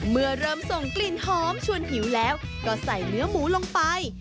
เมื่อเริ่มส่งกลิ่นหอมชวนหิวแล้วก็ใส่เนื้อหมูลงไป